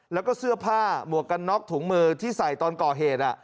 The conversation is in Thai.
แล้วก็เสื้อผ้าหมวกกันน็อกถุงมือที่ใส่ตอนก่อเหตุ